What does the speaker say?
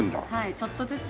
ちょっとずつ。